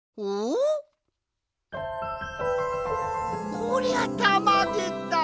こりゃたまげた！